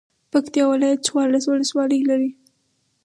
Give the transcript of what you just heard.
پکتيا ولايت څوارلس ولسوالۍ لري